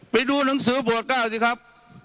ไปดูหนังสือปวดเก้าสิครับ